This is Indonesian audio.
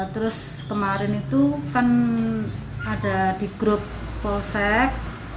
terus kemarin itu kan ada di grup polsek